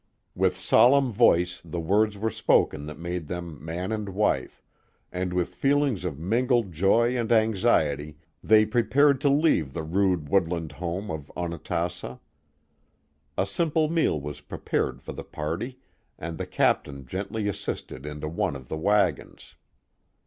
With solemn voice the words were spoken that made them man and wife, and with feelings of mingled joy and anxiety they prepared to leave the rude woodland home of Onatassa. A simple meal was prepared for the party, and the captain gently assisted into one of the wagons.